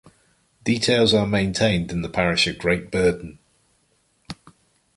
Details are maintained in the parish of Great Burdon.